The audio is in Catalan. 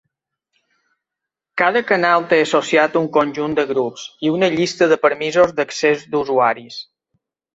Cada canal té associat un conjunt de grups i una llista de permisos d'accés d'usuaris.